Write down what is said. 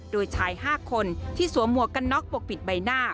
โดยชาย๕คนที่สวมหมวกกันน็อกปกปิดใบหน้า